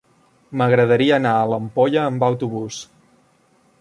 M'agradaria anar a l'Ampolla amb autobús.